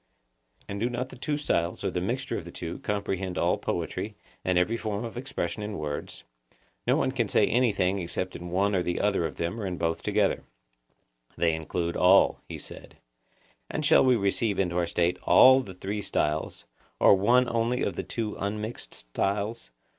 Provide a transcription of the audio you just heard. And do not the two styles, or the mixture of the two, comprehend all poetry, and every form of expression in words? No one can say anything except in one or other of them or in both together. They include all, he said. And shall we receive into our State all the three styles, or one only of the two unmixed styles?